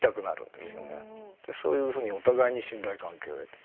でそういうふうにお互いに信頼関係を得て。